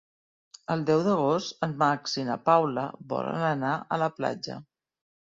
El deu d'agost en Max i na Paula volen anar a la platja.